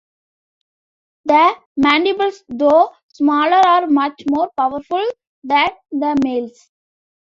The mandibles, though smaller, are much more powerful than the males'.